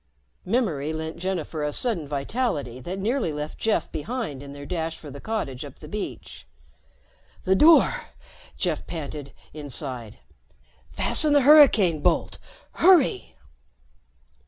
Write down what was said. Memory lent Jennifer a sudden vitality that nearly left Jeff behind in their dash for the cottage up the beach. "The door," Jeff panted, inside. "Fasten the hurricane bolt. Hurry."